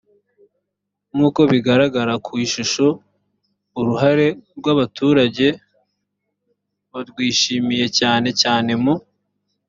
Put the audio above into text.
nk uko bigaragara ku ishusho uruhare rw abaturage barwishimiye cyane cyane mu